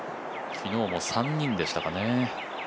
昨日も３人でしたかね。